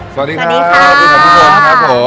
สวัสดีครับพี่หมด